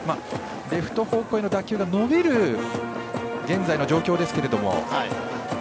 レフト方向への打球が伸びる現在の状況ですが。